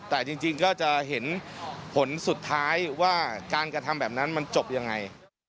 แต่จริงก็จะเห็นผลสุดท้ายว่าการกระทำแบบนั้นมันจบยังไง